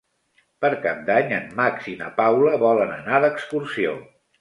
Per Cap d'Any en Max i na Paula volen anar d'excursió.